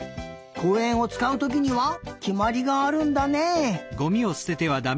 こうえんをつかうときにはきまりがあるんだね。